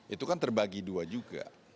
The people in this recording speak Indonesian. itu kan terbagi dua juga